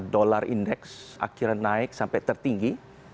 dolar indeks akhirnya naik sampai tertinggi